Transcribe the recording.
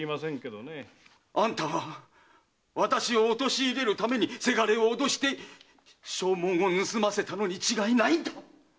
あんたが私を陥れるためにせがれを脅して証文を盗ませたのに違いないんだ！